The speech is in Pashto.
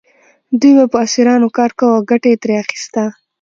دوی به په اسیرانو کار کاوه او ګټه یې ترې اخیسته.